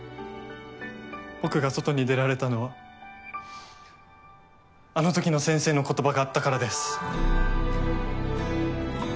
僕が外に出られたのはあのときの先生の言葉があったからです。